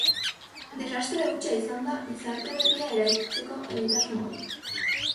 Desastre hutsa izan da gizarte berria eraikitzeko egitasmo hori.